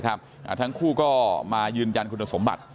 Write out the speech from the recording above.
ทั้งคู่ก็มายืนยันคุณสมบัติ